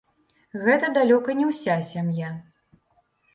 Гэта далёка не ўся сям'я.